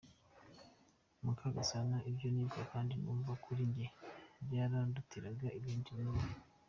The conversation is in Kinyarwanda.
Mukagasana : Ibyo nibuka kandi numva kuri jye byarandutiraga ibindi ni ibi :.